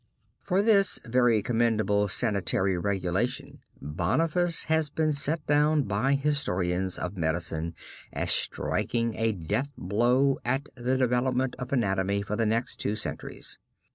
For this very commendable sanitary regulation Boniface has been set down by historians of medicine as striking a death blow at the development of anatomy for the next two centuries.